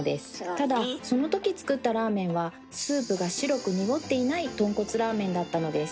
ただその時作ったラーメンはスープが白くにごっていないとんこつラーメンだったのです。